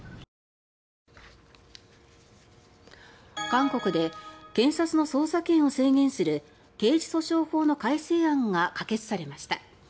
韓国で検察の捜査権を制限する刑事訴訟法の改正案が可決されました。